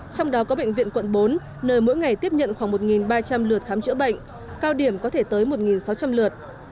trong đó có bệnh viện quận bốn nơi mỗi ngày tiếp nhận khoảng một ba trăm linh lượt khám chữa bệnh cao điểm có thể tới một sáu trăm linh lượt